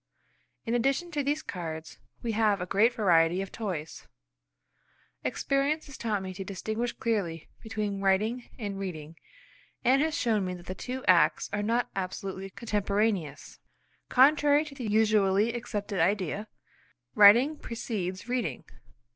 In addition to these cards we have a great variety of toys. Experience has taught me to distinguish clearly between writing and reading, and has shown me that the two acts are not absolutely contemporaneous. Contrary to the usually accepted idea, writing precedes reading.